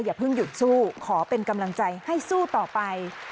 อย่าเพิ่งหยุดสู้ขอเป็นกำลังใจให้สู้ต่อไป